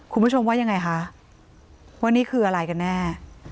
คุณผู้ชมว่ายังไงคะว่านี่คืออะไรกันแน่